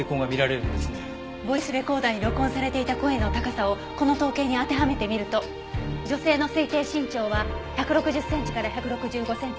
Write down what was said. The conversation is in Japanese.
ボイスレコーダーに録音されていた声の高さをこの統計に当てはめてみると女性の推定身長は１６０センチから１６５センチ。